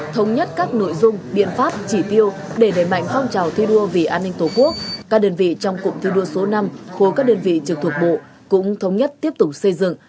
thống nhất các nội dung biện pháp chỉ tiêu để đẩy mạnh phong trào thi đua vì an ninh tổ quốc các đơn vị trong cụm thi đua số năm khối các đơn vị trực thuộc bộ cũng thống nhất tiếp tục xây dựng